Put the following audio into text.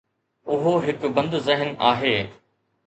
اهو هڪ بند ذهن آهي.